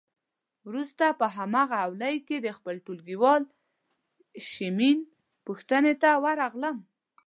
وروسته په هماغه حویلی کې د خپل ټولګیوال شېمن پوښتنه ته ورغلم.